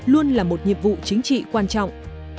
luôn là một nhiệm vụ chính trị quan trọng